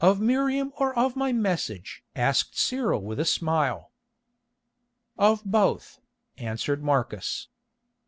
"Of Miriam or of my message?" asked Cyril with a smile. "Of both," answered Marcus.